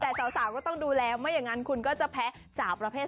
แต่สาวก็ต้องดูแลไม่อย่างนั้นคุณก็จะแพ้สาวประเภท๒